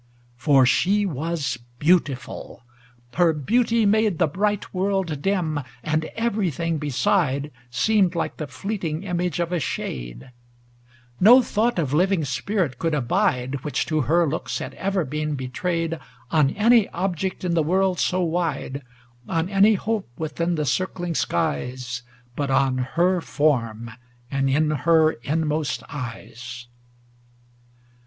XII For she was beautiful; her beauty made The bright world dim, and everything beside Seemed like the fleeting image of a shade; No thought of living spirit could abide. Which to her looks had ever been betrayed, On any object in the world so wide. On any hope within the circling skies. But on her form, and in her inmost eyes.